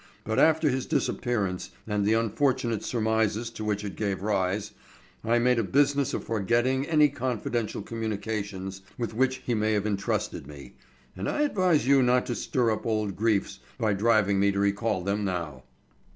But after his disappearance and the unfortunate surmises to which it gave rise, I made a business of forgetting any confidential communications with which he may have entrusted me, and I advise you not to stir up old griefs by driving me to recall them now."